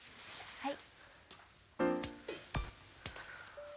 はい！